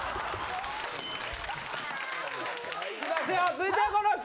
続いてはこの人。